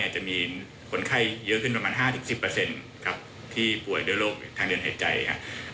จะมีคนไข้เยอะขึ้นประมาณ๕๑๐ครับที่ป่วยด้วยโรคทางเดินหายใจครับ